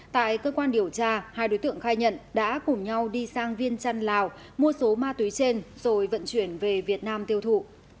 tại cơ quan điều tra hai đối tượng khai nhận đã cùng nhau đi sang viên trăn lào mua số ma túy trên rồi vận chuyển về việt nam tiêu thụ